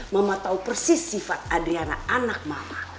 mama tahu persis sifat adriana anak mama